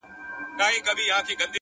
ستړى په گډا سومه ،چي، ستا سومه،